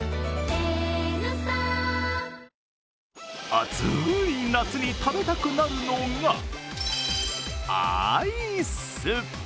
暑い夏に食べたくなるのがアイス！